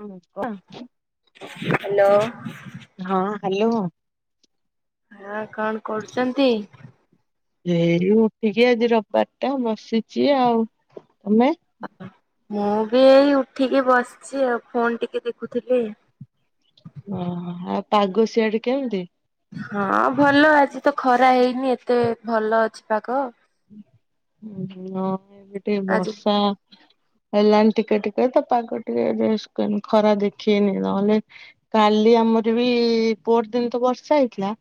ହଁ କୁହ ହ୍ୟାଲୋ। ହଁ ହ୍ୟାଲୋ? ହଁ କଣ କରୁଚନ୍ତି? ଏଇ ଉଠିକି ଆଜି ରବିବାର ଟା ବସିଚି ଆଉ। ତମେ? ମୁଁ ବି ଏଇ ଉଠିକି ବସଚି ଆଉ ଫୋନ ଟିକେ ଦେଖୁଥିଲି। ଓହୋ ଆଉ ପାଗ ସିଆଡେ କେମତି? ହଁ ଭଲ ଆଜି ତ ଖରା ହେଇନି ଏତେ ଭଲ ଅଛି ପାଗ। ଉଁ ହୁଁ ହଁ ଏପଟେ ଆଜି ବର୍ଷା ହେଲଣି ଟିକେ ଟିକେ ତ ପାଖ ଟିକେ [unintelligible] ଖରା ଦେଖିକନି ନହେଲେ କାଲି ଆମରି ବି ପର ଦିନ ତ ବର୍ଷା ହେଇଥିଲା।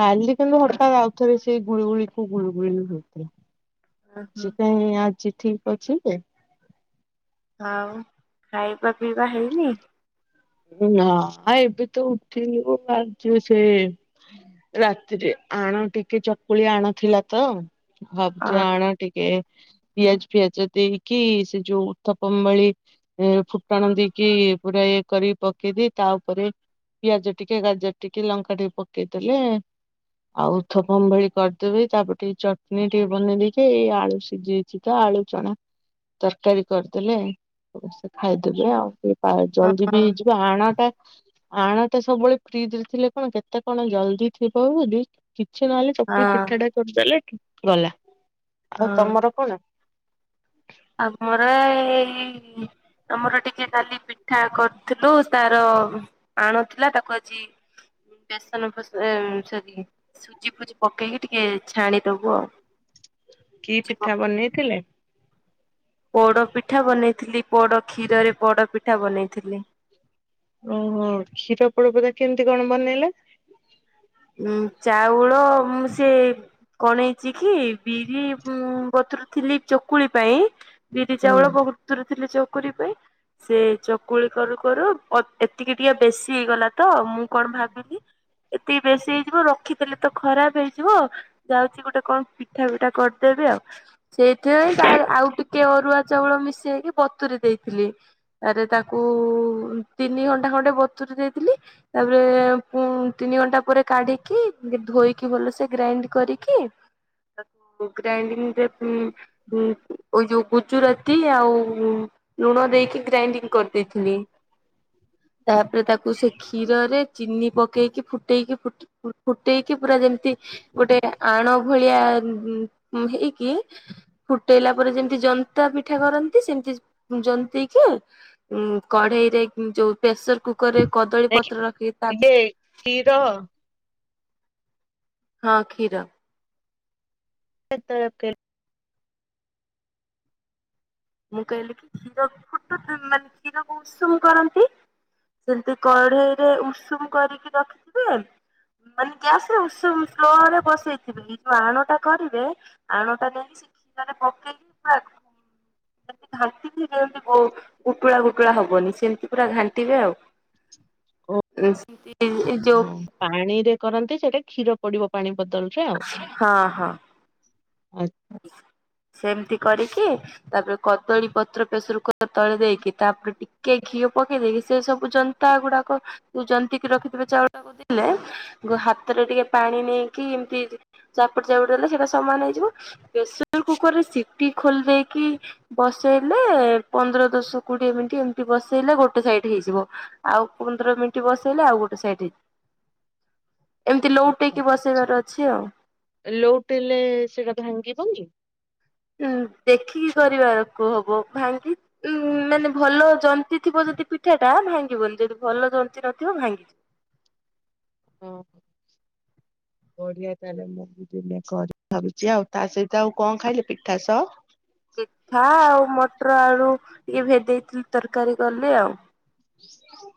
କାଲି କିନ୍ତୁ ହଟା ଆଉଥରେ ସେଇ ଗୁଳିୁ ଗୁଳିକୁ ଗୁଳିୁ ଗୁଳି ହଉଥୁଲା। ଆଜି କାଇଁ ଆଜି ଠିକ ଅଛି ଯେ ଆଉ ନିଇବା ପିଇବା ହେଇନି? ହଁ ଏବେ ତ [inaudible] ରାତିରେ ଆଣ ଟିକେ ଚକୁଳି ଆଣ ଥିଲା ତ ହଁ ଭାବୁଚି ଆଣ ଟିକେ ପିଆଜ ପଫିଆଜ ଦେଇକି ସେ ଯୋଉ ଥବ ମେଳି ଏ ଫୁଟାଣ ଦେଇକି ପୁରା ଇଏ କରି ପକେଇ ତା ଉପରେ ପିଆଜ ଟିକେ, ଗାଜର ଟିକେ, ଲଙ୍କା ଟିକେ ପକେଇଦେଲେ ଆଉ ଉଥପମ୍ ଭଳି କରିଦେବି ତାପରେ ଟିକେ ଚଟଣି ଟିକେ ବନେଇ ଦେଇକି ଏଇ ଆଳୁ ସିଝେ ଚିକା ଆଳୁ ଚଣା ତରକାରୀ କରିଦେଲେ ସମସ୍ତେ ଖାଇଦେବେ ଆଉ। ଆ ଜଲଦି ବି ହଁ ହେଇଯି ଆଣଟା ଆଣଟା ସବୁବେଳେ ଫ୍ରିଜ ରେ ଥିଲେ କଣ କେତେ କଣ ଜଲଦି ଥିବ ବୋଲି କିଛି ନହେଲେ ଚକୁଳି ପିଠା ହଁ ଟା କରିଦେଲେ ଗଲା। ଆଉ ତମର କଣ? ଆମର ଏଇ ଆମର ଟିକେ କାଲି ପିଠା କରିଥିଲୁ ତାର ଆଣ ଥିଲା ତାକୁ ଆଜି [unintelligible] ସୁଜି ଫୁଜି ପକେଇକି ଟିକେ ଛାଣିଦବୁ ଆଉ କି ସୁଜି ପ ପିଠା ବନେଇଥିଲେ? ପୋଡ ପିଠା ବନେଇଥିଲି ପୋଡ କ୍ଷୀରରେ ପୋଡ ପିଠା ବନେଇଥିଲି। ଓହୋ କ୍ଷୀର ପୋଡ ପିଠା କେମିତି କଣ ବନେଇଲେ? ଉଁ ଚାଉଳ ସେ କଣ ହେଇଚ କି ବିରି ବତୁରୁ ଥିଲି ଚକୁଳି ପାଇଁ ବିରି ହୁଁ। ଚାଉଳ ବହୁତ ସତୁରି ଥିଲେ ଚକୁଳି ପାଇଁ ସେ ଚକୁଳି କରୁ କରୁ ଅ ଏତିକି ଟିକେ ବେଶୀ ହେଇଗଲା ତ ମୁଁ କଣ ଭାବିଲି ବେଶୀ ହେଇଯିବ ରଖିଥିଲେ ତ ଖରାପ ହେଇଯିବ ଯାଉଛି ଗୋଟେ କଣ ପିଠା ଫିଠା କରିଦେବି ଆଉ। ସେଇଥିପାଇଁ ଆଉ ଟିକେ ଅରୁଆ ଚାଉଳ ମିଶେଇ ହେଇକି ବତୁରି ଦେଇଥିଲି। ଆରେ ତାକୁ ତିନି ଘଣ୍ଟା ଖଣ୍ଡେ ବତୁୁରୀ ଦେଇଥିଲି, ତାପରେ ପୁ ତିନି ଘଣ୍ଟା ପରେ କାଢିକି, ଧୋଇକି ଭଲସେ ଗ୍ରାଇଣ୍ଡ କରିକି, ତା ଗ୍ରାଇଡିଂ ଯୋଉ ଗୁଚୁରାତି ଆଉ ଲୁଣ ଦେଇକି, ଗ୍ରାଇଣ୍ଡିଙ୍ଗ କରିଦେଇଥିଲି। ତାପରେ ତାକୁ ସେ କ୍ଷୀରରେ ଚିନି ପକେଇକି, ଫୁ ଫୁଟେଇକି, ଫୁଟେଇକି ପୁରା ଯେମିତି ଗୋଟେ ଆଣ ଭଳିଆ ହେଇକି, ଫୁଟେଇଲା ପରେ ଯେମିତି ଜନ୍ତା ପିଠା କରନ୍ତି, ସେମିତି ଜନ୍ତକି ଉ କଢେଇରେ ଯୋଉ ପ୍ରେସର କୁକରରେ କଦଳୀ ପତ୍ର ରଖିକି, ତା ଇଏ କ୍ଷୀର? ହଁ, କ୍ଷୀର। ହ ତରଫ କେ [unintelligible] ମୁଁ କହିଲି କି କ୍ଷୀର ଫୁଟ ମାନେ କ୍ଷୀରକୁ ଉଷୁମ କରନ୍ତି [unintelligible] ସେମିତି କଢେଇରେ ଉଷୁମ କରିକି ରଖିଥିବେ, ମାନେ ଗ୍ୟାସରେ ଉଷୁମ ସ୍ଲୋ ରେ ବସେଇଥିବେ, ଏ ଯୋଉ ଆଣଟା କରିବେ ଆଣଟା ନୁହେଁ କି ସେ କ୍ଷୀରର [unintelligible] ତାକୁ ଘାଣ୍ଟିକି ଯେମିତି ଉୁଟୁଳା ଗୁଟୁଳା ହବନି, ସେମିତି ପୁରା ଘାଣ୍ଟିବେ ଆଉ। ସେ [unintelligible] ହଉ, ପାଣିରେ କରନ୍ତି। ସେଟା କ୍ଷୀର ପଡିବ ପାଣି ବଦଳରେ? ହଁ, ହଁ। ଆ୍ଛା [unintelligible] ସେମିତି କରିକି, ତାପରେ କଦଳୀ ପତ୍ର ପେସର କୁକର ତଳେ ଦେଇକି ତାପରେ ଟିକେ ଘିଅ ପକେଇ ଦେଇକି, ସେ ସବୁ ଜନ୍ତା ଗୁଡାକ ଜନ୍ତିକି ରଖିଥିବେ, ଚାଉଳ ଟାକୁ ଦେଲେ କିନ୍ତୁ ହାତରେ ଟିକେ ପାଣି ନେଇକି ଏମିତି ଚାପୁଡି ଚାପୁଡି ଦେଲେ ସେଇଟା ସମାନ ହେଇଯିବ। ପ୍ରେସର କୁକରରେ ସିଟି ଖୋଲି ଦେଇକି ବସେଇଲେ, ପନ୍ଦର, ଦଶ, କୋଡିଏ ମିନିଟ ଏମିତି ବସେଇଲେ ଗୋଟେ ସାଇଟ ହେଇଯିବ। ଆଉ ପନ୍ଦର ମିନିଟ ବସେଇଲେ ଆଉ ଗୋଟେ ସାଇଡ ହେଇଯିବ। ଏମିତି ଲୋଉଟେଇ ଆଚ୍ଛା। କି ବସେଇବାର ଅଛି ଆଉ? ଲୋଉଟେଇଲେ ସେଇଟା ଭାଙ୍ଗିବନି? ଉଁ ଦେଖିକି କରିବାକୁ ହବ। ଭାଙ୍ଗି ଉ ମାନେ ଭଲ ଜ ନ୍ତି ଥିବ ଯଦି ପିଠାଟା ଭାଙ୍ଗିବନି। ଯଦି ଭଲ ଜନ୍ତି ନଥିବ ଭାଙ୍ଗିଯିବ। ହଁ, ବଢିଆ ତାହାଲେ ତ। ଦିନେ କରିବି ଭାବିଛି ଆଉ, ତା ସହିତ ଆଉ କଣ ଖାଇଲେ ପିଠାସହ? ପିଠା ଆଉ ମଟର ଆଳୁ ଟିକେ ଭେଦେଇଥିଲି, ତରକାରୀ କଲି ଆଉ।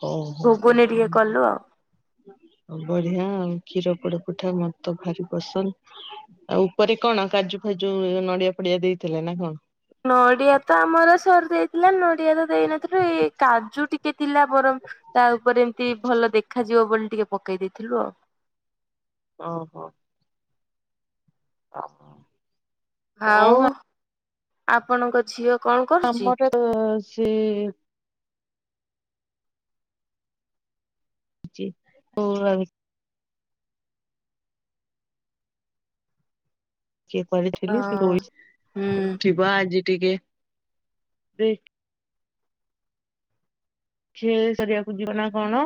ଓହୋ। ଘୁଗୁନି ଟିକେ କଲୁ ଆଉ। ହଁ ବଢିଆ ଆଉ। କ୍ଷୀର ପୋଡ ପିଠା ମତେ ତ ଭାରି ପସନ୍ଦ। ଆଉ ଉପରେ କଣ? କାଜୁ ଫାଜୁ, ନଡିଆ ଫଡିଆ ଦେଇଥିଲେ ନା କଣ? ନଡିଆ ତ ଆମର ସରିଯାଇଥିଲା, ନଡିଆ ତ ଦେଇନଥିଲୁ। ଏଇ କାଜୁ ଟିକେ ଥିଲା ବରଂ ତା ଉପରେ ଏମିତି ଭଲ ଦେଖାଯିବ ବୋଲି ଟିକେ ପକେଇ ଦେଇଥିଲୁ ଆଉ। ଓହୋ। ହ ହ। [unintelligible] ଆଉ ଆପଣଙ୍କ ଝିଅ କଣ କରୁଛି? ଆମର ସେ ଜି [inaudible] [unintelligible] [unintelligible] ସେ ହଁ। ଶୋଇଛି ହୁଁ ଉଠିବ ଆଜି ଟିକେ [inaudible] ନାଇ ଖେଳି ସାରିବାକୁ ଯିବ ନା କଣ।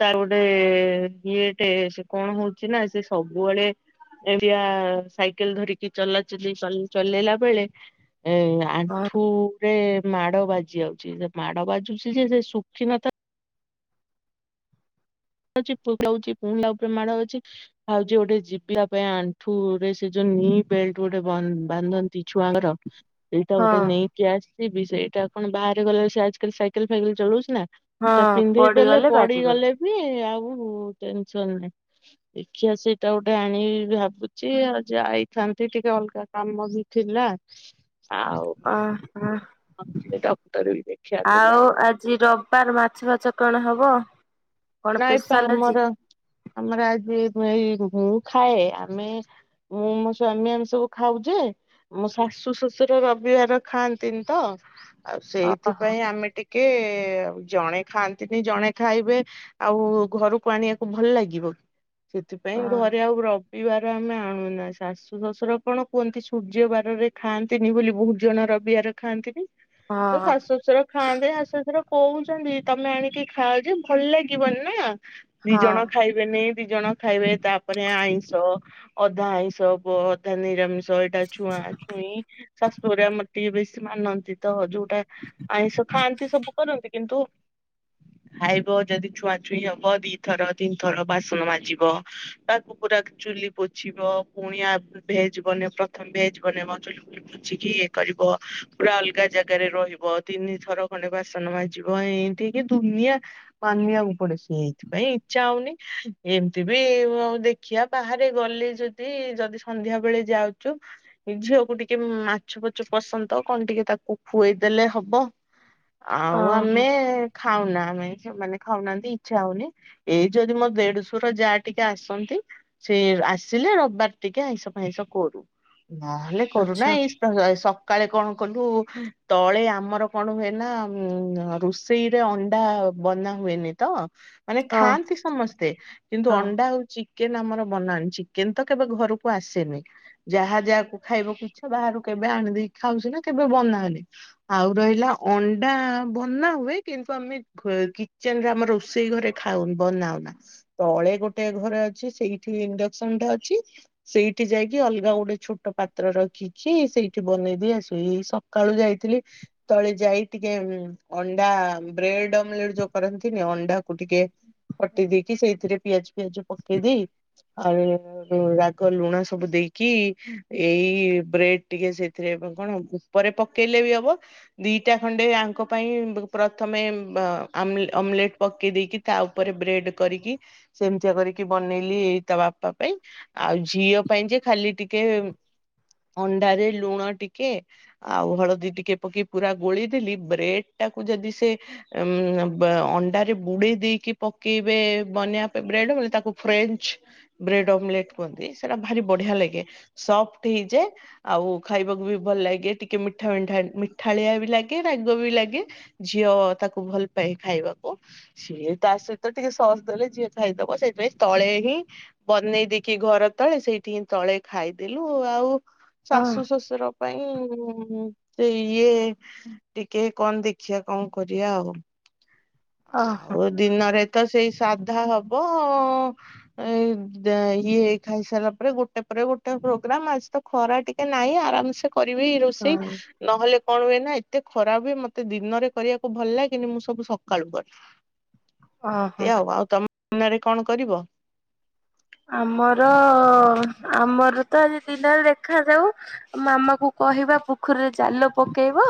ତାର ଗୋଟେ--ଇଏଟେ, ସେ କଣ ହଉଚି ନା ସେ ସବୁବେଳେ ଏମିତିଆ, ସାଇକେଲ ଧରିକି ଚଲାଚଲି ଚଲେଇଲା ବେଳେ ଏ, ଆଣ୍ଠୁ ହଁ -ରେ, ମାଡ ବାଜି ଯାଉଚି, ସେ ମାଡ ବାଜୁଚି ଯେ ସେ ଶୁଖି ନଥା ଉଛି ପକଉଚି, ପୁଣି ଆଉଥରେ ମାଡ଼ ହଉଚି। ଯାଉଚି, ଗୋଟେ ଯିବି ଆ ପାଇଁ ଆଣ୍ଠୁରେ- ସେ ଯୋଉ ନି ବେଲ୍ଟ ଗୋଟେ ବାନ୍ଧ ଦି ଛୁଆଙ୍କର- [inaudible] ଏଇଟା ଗୋଟେ ନେଇକି ଆସିବି, ସେଇଟା କଣ ବାହାରେ ଗଲାବେଳେ ସେ ଆଜ କାଲି ସାଇକେଲ ଫାଇକେଲ ଚଲଉଚି ନା। [inaudible] ହଁ ସେଟା ପିନ୍ଧେଇ ଦେେଲେ ପଡିଗଲେ ବାଜିବନି। ପଡିଗଲେ ବି ଆଉ ଟେନସନ ନାହିଁ। ଦେଖିବା, ସେଇଟା ଗୋଟେ ଆଣିବି ଭାବୁଚି, ଆଉ ଯାଇଥାନ୍ତି ଟିକେ ଅଲଗା କାମ ବି ଥିଲା [inaudible] ଆଉ ଉଁ, ଉଁ। ଆଉ ଟିକେ, ଡକ୍ଟର ବି ଦେଖିବାର ଥିଲା। ଆଜି ରବିବାର ମାଛ ଫାଚ କଣ ହବ? କଣ ପ୍ରାୟ ତ ସ୍ପେଶାଲ ଆଜି? ଆମର, [inaudible] ଆମର ଆଜି ଏଇ ମୁଁ ଖାଏ ଆମେ ମୁଁ ମୋ ସ୍ଵାମୀ ଆମେ ସବୁ ଖାଉ ଯେ। ମୋ ଶାଶୁ ଶ୍ୱଶୁର ରବିିବାର ଖାଆନ୍ତିନି ତ ଆଉ ଓହୋ। ସେଇଥିପାଇଁ ଆମେ ଟିକେ ଜଣେ ଖାଆନ୍ତିନି ଜଣେ ଖାଇବେ। ଆଉ ଘରକୁ ଆଣିବାକୁ ଭଲ ଲାଗିବ କି? [inaudible] ସେଥିପାଇଁ ଘରେ ଆଉ ର ବିବାର ଆମେ ଆଣୁନା, ଶାଶୁ ଶ୍ୱଶୁର କଣ କୁହନ୍ତି, ସୂର୍ଯ୍ୟ ବାରରେ ଖାଆନ୍ତିନି ବୋଲି ବହୁତ ଜଣ ରବିବାର ଖାଆନ୍ତିନି। ହଁ [inaudible] ତ ହଁ ଶାଶୁ ଶଶୁର ଖାଆନ୍ତେ ଶାଶୁ ଶଶୁର କହୁଚନ୍ତି, ତମେ ଆଣିକି ଖାଅଯେ ଭଲ ଲାଗ ବନି ନା, [inaudible] ଦି ଜଣ ଖାଇ ବେନି, ଦି ଜଣ ଖାଇବେ, ତାପରେ ଆଇଁଷ, ଅଧା ଆଇଁଷ ହବ ଅଧା ନିରାମିଷ ଏଇଟା ଛୁଆଁ ଛୁଇଁ ଶାଶୁଘରେ ଆମର ଟିକେ ବେଶୀ ମାନନ୍ତି ତ ଯୋଉ ଟା [inaudible] ଆଇଁଷ ଖାଆନ୍ତି ସବୁ କରନ୍ତି କିନ୍ତୁ, [inaudible] ଖାଇବ ଯଦି ଛୁଆଁ ଛୁଇଁ ହବ, ଦିଇଥର ତିନି ଥର ବାସନ ମାଜିବ, ତାକୁ ପୁରା ଚୁଲି ପୋଛିବ, ପୁଣିଆ -ଭେଜ ବନେଇବ ପ୍ରଥମେ ଭେଜ ବନେଇବ ଚୁଲି ଫୁଲି ପୁଛିକି ଇଏ କରିବ, ପୁରା ଅଲଗା ଜାଗାରେ ରହିବ, ତିନି ଥର ଖଣ୍ଡେ ବାସନ ମାଜିବ ଏଇ ହେଇକି ଦୁନିଆ [inaudible] ମାନିଆ ପଡେ, ସେଇଥିପାଇଁ ଇଚ୍ଛା ହଉନି, ଏମିତି ବି ଏଉ ଦେଖିବା ବାହାରେ ଗଲେ ଯଦି ଏ, ଯଦି ସନ୍ଧ୍ୟା ବେଳେ ଯାଉଚୁ ଏ ଝିଅକୁ ଟିକେ ମାଛ ଫାଚ ପସନ୍ଦ, କଣ ଟିକେ ତାକୁ ଖୁଆଇଦେଲେ ହବ। ଆଉ ଓହୋ ଆମେ ଖାଉନା, ଆମେ ସେମାନେ ଖାଉନାହାନ୍ତି। ଇଚ୍ଛା ହଉନି, ଏଇ ଯଦି ମୋ ଦେଢଶୁର ଯା ଟିକେ ଆସନ୍ତି। ସେ ଆସିଲେ, ରବିବାର ଟିକେ ଆଇଁସ ଫାଇଁସ କରୁ ନହେଲେ କରୁନା ଆଚ୍ଛା ଏଇ ଆ, ସକାଳେ କଣ କଲୁ ତଳେ ଆମର କଣ ହୁଏନା ଉଁ ରୋଷ ସେଇରେ ଅଣ୍ଡା -ବନା ହୁଏନି। ତ, ମାନେ ଓ ଖାଆନ୍ତି ସମସ୍ତେ, କିନ୍ତୁ ହଁ। ଅଣ୍ଡା ହଉଚି କେନ୍ ଆମର ବନାନ୍‌, ଚିକେନ ତ କେବେ ଘରକୁ ଆସେନି। ଯାହା ଯାହାକୁ ଖାଇବାକୁ ଇଛା, ବାହାରୁ କେବେ ଆଣିଦେଇି ଖାଉଛିନା କେବେ ବନାଉନି। ଆଉ ରହିଲା ଅଣ୍ଡା ବନାହୁଏ, କିନ୍ତୁ ଆମେ କିଚେନରେ ଆମର ରୋଷେଇ ଘରେ ଖାଉନ ବନାଉନା। ତଳେ ଗୋଟେ ଘରେ ଅଛି ସେଇଠି ଇଣ୍ଡକ୍ସନଟା ଅଛି। ସେଇଠି ଯାଇକି ଅଲଗା ଗୋଟେ ଛୋଟ ପାତ୍ର ରଖିକି ସେଇଠି ବନେଇଦେଇଆସୁ ସେଇ ସ ସକାଳୁ ଯାଇଥିଲି ତଳେ ଯାଇ ଟିକେ ଅଣ୍ଡା ବ୍ରେଡ ଅମଲେଟ ଯୋଉ କରନ୍ତି। ଅଣ୍ଡାକୁ ଟିକେ କଟିଦେଇକି ସେଇଥିରେ ପିଆଜ ଫିଆଜ ପକେଇ ଦେଇ ଆଉ ହଁ ରାଗ ଲୁଣସବୁ ଦେଇକି ଏଇ ବ୍ରେଡଟିକେ ସେଥିରେ କଣ? ପରେ ପକେଇଲେବି ହବ ଦିଟା ଖଣ୍ଡେ ଆଙ୍କପାଇଁ ପ୍ରଥମେ ଆମେଲେ ଅମଲେଟ ପକେଇ ଦେଇକି ତାଉପରେ ବ୍ରେଡ କରିକି ସେମିତିଆ କରିକି ବନେଇଲି ଏଇ ତାବାପା ପାଇଁ। ! ଆଉ ଝିଅ ପାଇଁଯେ ଖାଲି ଟିକେ ଅଣ୍ଡାରେ ଲୁଣ ଟିକେ ଆଉ ହଳଦୀ ଟିକେ ପକେଇ ପୁରା ଗୋଳିଦେଲି ବ୍ରେଡ ଟାକୁ ଯଦି ସେ ଅଣ୍ଡାରେ ବୁଡେଇ ଦେଇକି ପକେଇବେ ବନେଇବା ପାଇଁ ବ୍ରେଡ ତାକୁ ଫ୍ରେଞ୍ଚ। ବ୍ରେଡ ଅମଲେଟ କୁହନ୍ତି ସେଟା ଭାରି ବଢିଆ ଲାଗେ ସଫ୍ଟ ହେଇଯାଏ।। ଆଉ ଖାଇବାକୁବି ଭଲ ଲାଗେ ଟିକେ ମିଠା ମିଠା ମିଠାଳିଆବି ଲାଗେ ରାଗବି ଲାଗେ। ଝିଅ ତାକୁ ଭଲପାଏ ଖାଇବାକୁ।। ସିଏ ତା ସହିତ ଟିକେ ସସ୍ ଦେଲେ ଯିଏ ଖାଇଦବ ସେଇଥିପାଇଁ ତଳେହିଁ ବନେଇ ଦେଇକି ଘରତଳେ ସେଇଠି ହିଁ ତଳେ ଖାଇଦେଲୁ ଆଉ ହଁ ଶାଶୁ ଶ୍ୱଶୁର ନ। ପାଇଁ ସେ ଇଏ ଟିକେ କଣ ଦେଖିବା କଣ କରିବା ଆଉ ଓହୋ। ଦିନରେତ ସେଇ ସାଧାହବ। ଏ ଇଏ ଖାଇସାରିଲା ପରେ ଗୋଟେ ପରେ ଗୋଟେ ପ୍ରୋଗ୍ରାମ ଆଜିତ ଖରା ଟିକେ ନାହିଁ ଆରାମ ସେ କରିବି ରୋଷେଇ ହଁ ନହେଲେ କଣ ହୁଏନା ଏତେ ଖରା ହୁଏ ମତେ ଦିନରେ କରିବାକୁ ଭଲ ଲାଗେନି ମୁଁ ସବୁ ସକାଳୁ କରେ। ଓହୋ। ଏଇଆ ଆଉ କଣ ଆଉ ତମ ମନରେ କଣ କରିବ? ଆମର ଆମରତ ଆଜି ଦିନରେ ଦେଖାଯାଉ ମାମାକୁ କହିବା ପୋଖରୀରେ ଜାଲ ପକେଇବ?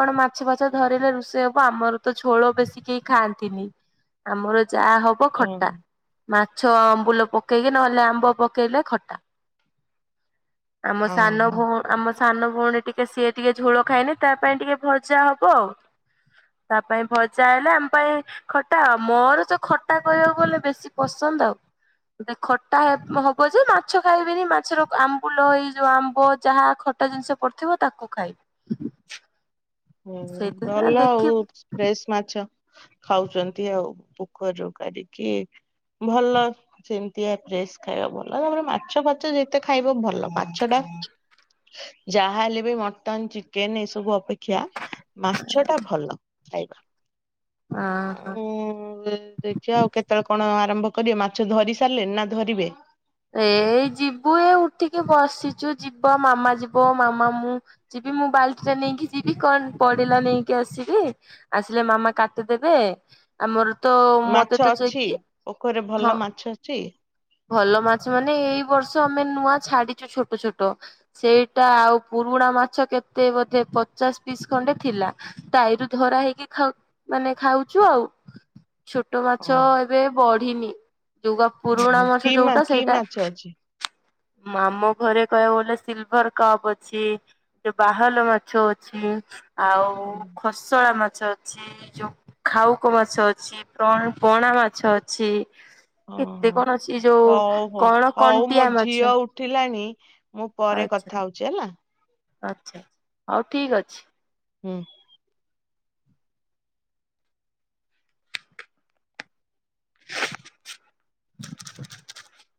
କଣ ମାଛ ଫାଛ ଧରିଲେ ରୋଷେଇ ହବ ଆମରତ ଛୋଳ ବେଶୀ କେହି ଖାଆନ୍ତିନି। ଆମର ଯାହା ହବ ଓ ଖଟା ଓହୋ। ମାଛ ଆମ୍ବୁଲ ପକେଇକି ନହେଲେ ଆମ୍ବ ପକେଇଲେ ଖଟା। ଆମ ସାନ ଓହୋ ବୋହୁ ଆମ ସାନ ଭଉଣୀ ଟିକେ ସିଏ ଟିକେ ଝୋଳ ଖାଏନି ତାପାଇଁ ଟିକେ ଭଜାହବ ଆଉ ତାପାଇଁ ଭଜା ହେଲେ ଆମ ପାଇଁ ଖଟା ମୋର ସେ ଖଟା କହିବାକୁ ଗଲେଲେ ବେଶୀ ପସନ୍ଦ ଆଉ ଖଟା ହବଯେ ମାଛ ଖାଇବେନି ମାଛର ଆ ଫୁଲ ଏଇ ଯୋଉ ଆମ୍ବ ଯାହା ଖଟା ଜିନିଷ ପଡ଼ିଥିବ ତାକୁ ଖାଇବି। ହୁ ସେଇଥିପାଇଁ ଭଲ ଆଉ ଦେଖିବୁ। ଫ୍ରେସ ମାଛ। ଖାଉଚନ୍ତି ଆଉ ପୋଖରୀରୁ କରିକି। ଭଲ ସେମିତିଆ ଫ୍ରେଶ ଖାଇବା ଭଲ ତାପରେ ମାଛ ଫାଛ ଯେତେ ଖାଇବ ଭଲ। ମାଛଟା ଯାହା ହେଲେବି ମଟନ ଚିକେନ ଏସବୁ ଅପେକ୍ଷା ମାଛଟା ଭଲ ଖାଇବା। ଆଁ ହଁ। ଉୁଁ ଦେଖି ଆ ଆଉ କେତେବେଳେ କଣ ଆରମ୍ଭ କରିବ ମାଛ ଧରି ସାରିଲେଣି ନାଧରିବେ? ଏଇ ଯିବୁ ଉଠିକି ବସିଛୁ ଯିବ ମାମା ଯିବ ମାମା ମୁଁ ଯିବି ମୁଁ ବାଲ୍ଟିଟା ନେଇକି ଯିବି କଣ ପଡିଲା ନେଇକି ଆସିବି। ଆସିଲେ ମାମା କାଟିଦବେ ଆମରତ ମାଛ ମତେତ ଅଛି ଚେକ ପୋଖରୀରେ ଭଲ ହଁ ମାଛ ଅଛି ଭଲ ମା ଛ ମାନେ ଏଇବର୍ଷ ଆମେ ନୂଆ ଛାଡିଛୁ ଛୋଟ ଛୋଟ। ସେଇଟା ଆଉ ପୁରୁଣା ମାଛ କେତେ ବୋଧେ ପଚାଶ ପିସ୍ ଖଣ୍ଡେ ଥିଲା। ତାଈରୁ ଧରା ହେଇକି ଖାଉ ମାନେ ଖାଉଛୁ ଆଉ। ଛୋଟ ମାଛ ହଁ। ଏବେ ବଢିନି ଯୋଉ ପୁରୁଣା ଓହୋ କି ମାଛ ମା ଯୋଉଟା କି ସେଇ ମାଛ ଅଛି? ମାମ ଘରେ କହିବାକୁ ଗଲେ ସିଲଭର କପ୍ ଅଛି। ଯୋ ବାହାଲ ମାଛ ଅଛି ଆଉ ଖୋସଳା ମାଛ ଅ ଛି ଯୋଉ ଖାଉକ ମାଛ ଅଛି ପ୍ର ପଣା ମାଛ ଅଛି। କେତେ ଓହୋ କଣ ଅଛି ଯୋଉ ହଉ ହଉ କଣ ହଉ ମୋ କଣ୍ଟିଆ ଝିଅ ମାଛ। ଉଠିଲାଣି ମୁଁ ପରେ ଆଚ୍ଛା କଥା ହଉଛି ହେଲା। ଆଚ୍ଛା ହଉ ଠିକ ଅଛି। ହୁଁ। [inaudible]